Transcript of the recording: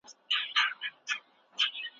د ژوند حق د بشریت لپاره تر ټولو ستره ډالۍ ده.